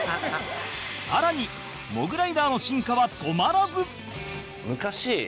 更にモグライダーの進化は止まらず